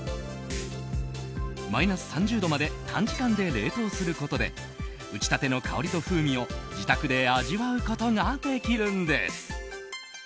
マイナス３０度まで短時間で冷凍することで打ち立ての香りと風味を自宅で味わうことができるんです。